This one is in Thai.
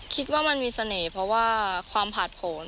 คิดว่ามันมีเสน่ห์เพราะว่าความผ่านผล